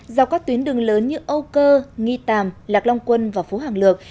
do các tuyến đường lớn như âu cơ nghi tàm lạc long quân và phú hàng lược